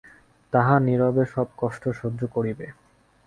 তাহারা নীরবে সব কষ্ট সহ্য করিবে।